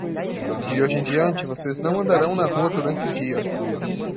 De hoje em diante vocês não andarão na rua durante o dia.